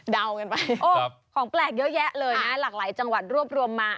เดากันไปของแปลกเยอะแยะเลยนะหลากหลายจังหวัดรวบรวมมา